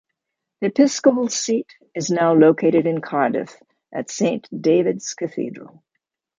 The Episcopal Seat is now located in Cardiff, at Saint David's Cathedral.